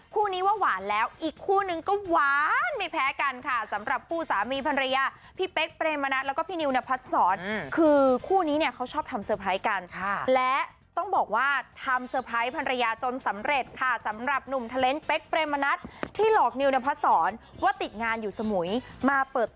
คู่นี้ว่าหวานแล้วอีกคู่นึงก็หวานไม่แพ้กันค่ะสำหรับคู่สามีภรรยาพี่เป๊กเปรมนัดแล้วก็พี่นิวนพัดศรคือคู่นี้เนี่ยเขาชอบทำเตอร์ไพรส์กันและต้องบอกว่าทำเตอร์ไพรส์ภรรยาจนสำเร็จค่ะสำหรับหนุ่มเทลนดเป๊กเปรมมะนัดที่หลอกนิวนพัดสอนว่าติดงานอยู่สมุยมาเปิด